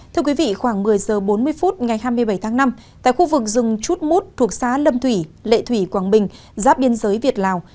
thưa quý vị khoảng một mươi h bốn mươi phút ngày hai mươi bảy tháng năm tại khu vực rừng chút mút thuộc xã lâm thủy lệ thủy quảng bình giáp biên giới việt lào